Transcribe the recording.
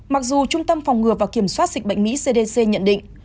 mặc dù trung tâm phòng ngừa và kiểm soát dịch bệnh mỹ cdc nhận định